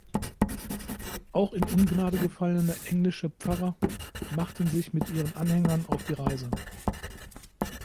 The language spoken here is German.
Auch in Ungnade gefallene englische Pfarrer machten sich mit ihren Anhängern auf die Reise.